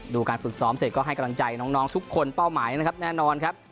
การฝึกซ้อมเสร็จก็ให้กำลังใจน้องทุกคนเป้าหมายนะครับแน่นอนครับ